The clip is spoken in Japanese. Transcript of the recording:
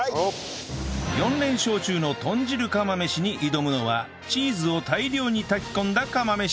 ４連勝中の豚汁釜飯に挑むのはチーズを大量に炊き込んだ釜飯